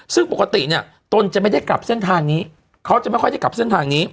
ซึ่งปกติเนี่ยตนจะไม่ได้กลับเส้นทางนี้เขาจะไม่ค่อยได้กลับเส้นทางนี้